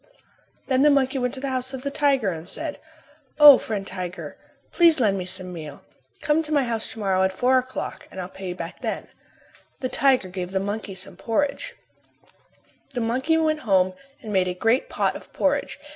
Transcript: Then the monkey went to the house of the tiger and said, "O, friend tiger, please lend me some meal. Come to my house to morrow at four o'clock and I'll pay you back then." The tiger gave the monkey some meal. The monkey went home and made a great pot of porridge.